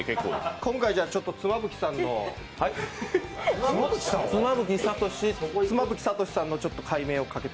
今回、妻夫木さんの妻夫木聡さんの改名権をかけて。